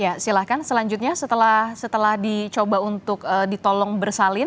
ya silahkan selanjutnya setelah dicoba untuk ditolong bersalin